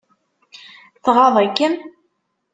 Tɣaḍ-ikem?